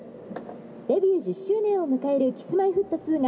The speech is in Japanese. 「デビュー１０周年を迎えるＫｉｓ−Ｍｙ−Ｆｔ２が」。